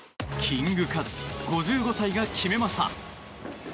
キングカズ、５５歳が決めました。